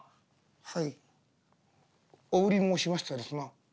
「はいお売り申しましたですな」。